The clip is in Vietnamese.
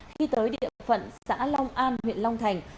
khi tới địa phận xã long an huyện long thành